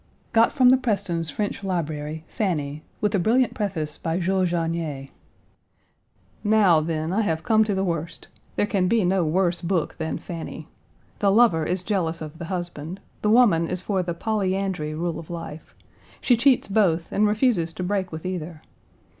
Got from the Prestons' French library, Fanny, with a brilliant preface by Jules Janier. Now, then, I have come to the worst. There can be no worse book than Fanny. The lover is jealous of the husband. The woman is for the polyandry rule of life. She cheats both and refuses to break with either.